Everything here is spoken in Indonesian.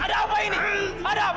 ada apa ini ada apa